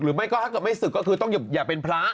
หรือไม่ก็ถ้าไม่สึกก็คืออย่าเป็นพระ